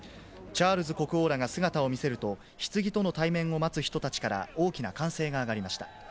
チャールズ国王らが姿を見せると、ひつぎとの対面を待つ人たちから大きな歓声が上がりました。